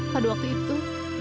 pada waktu itu